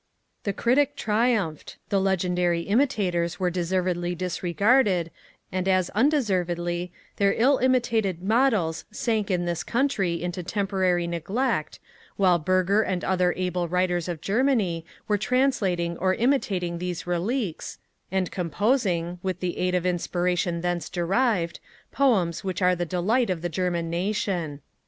The critic triumphed, the legendary imitators were deservedly disregarded, and as undeservedly, their ill imitated models sank in this country into temporary neglect, while Burger and other able writers of Germany, were translating or imitating these Reliques, and composing, with the aid of inspiration thence derived, poems which are the delight of the German nation.